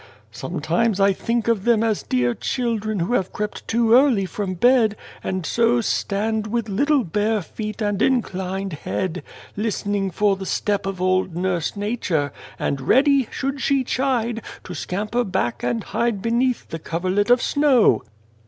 " Sometimes I think of them as dear children who have crept too early from bed, and so stand with little bare feet and inclined head, listening for the step of old Nurse Nature, and ready, should she chide, to scamper back and hide beneath the coverlet of snow.